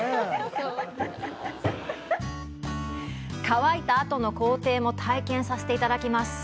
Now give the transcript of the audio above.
乾いた後の工程も体験させていただきます。